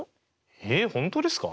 えっ本当ですか？